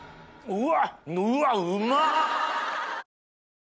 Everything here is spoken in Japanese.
うわ！